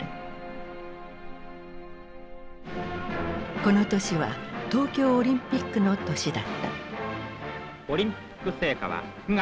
この年は東京オリンピックの年だった。